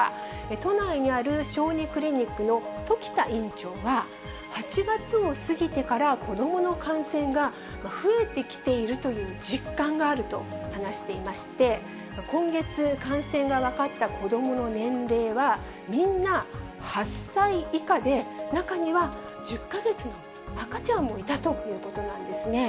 都内にある小児クリニックの時田院長は、８月を過ぎてから、子どもの感染が増えてきているという実感があると話していまして、今月、感染が分かった子どもの年齢は、みんな８歳以下で、中には１０か月の赤ちゃんもいたということなんですね。